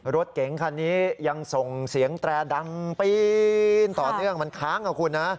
รถเก๋งคันนี้ยังส่งเสียงแตรดังปีนต่อเนื่องมันค้างอ่ะคุณนะ